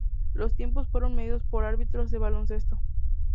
Los tiempos fueron medidos por árbitros de baloncesto.